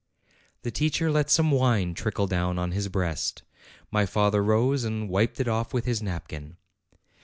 The teacher let some wine trickle down on his breast ; my father rose, and wiped it off with his nap kin.